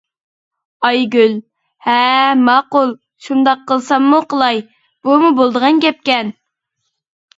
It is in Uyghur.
ئايگۈل: ھە ماقۇل، شۇنداق قىلساممۇ قىلاي، بۇمۇ بولىدىغان گەپكەن.